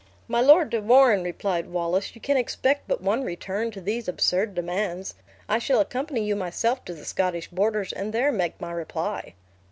"My Lord de Warenne," replied Wallace, "you can expect but one return to these absurd demands. I shall accompany you myself to the Scottish borders, and there made my reply."